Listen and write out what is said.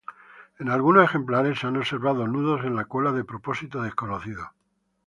En algunos ejemplares se han observado nudos en la cola de propósito desconocido.